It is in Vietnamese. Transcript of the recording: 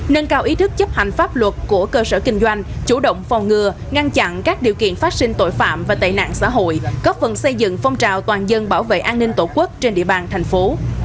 nâng cao ý thức chấp hành pháp luật của cơ sở kinh doanh chủ động phòng ngừa ngăn chặn các điều kiện phát sinh tội phạm và tệ nạn xã hội góp phần xây dựng phong trào toàn dân bảo vệ an ninh tổ quốc trên địa bàn thành phố